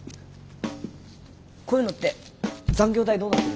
こういうのって残業代どうなってるんですか？